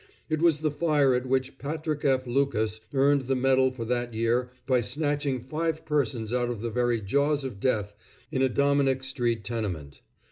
It was the fire at which Patrick F. Lucas earned the medal for that year by snatching five persons out of the very jaws of death in a Dominick street tenement.